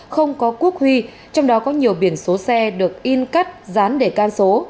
không có quốc huy trong đó có nhiều biển số xe được in cắt dán để can số